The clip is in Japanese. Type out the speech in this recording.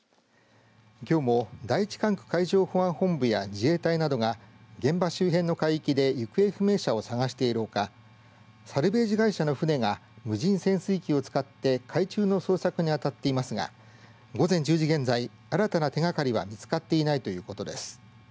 きょうも第１管区海上保安本部や自衛隊などが現場周辺の海域で行方不明者を捜しているほかサルベージ会社の船が無人潜水機を使って海中の捜索にあたっていますが午前１０時現在新たな手がかりは見つかっていないということです。